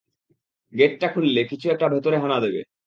গেটটা খুললে কিছু একটা ভেতরে হানা দেবে।